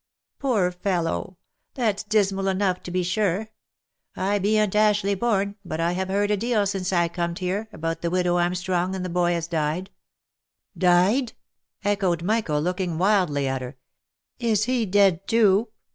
" Poor fellow ! that's dismal enough to be sure. I bean't Ashleigh born, but I have heard a deal since I corned here, about the widow Armstrong and the boy as died !" 300 THE LIFE AND ADVENTURES " Died !" echoed Michael, looking wildly at her. " Is he dead too